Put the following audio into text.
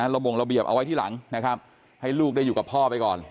ระบงระเบียบเอาไว้ที่หลังนะครับให้ลูกได้อยู่กับพ่อไปก่อน